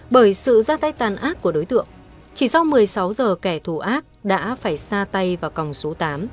bởi sự ra tay tàn ác của đối tượng chỉ sau một mươi sáu giờ kẻ thù ác đã phải xa tay vào còng số tám